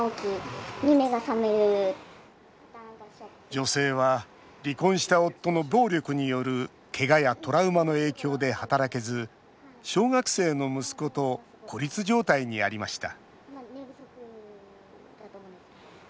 女性は離婚した夫の暴力によるけがやトラウマの影響で働けず小学生の息子と孤立状態にありました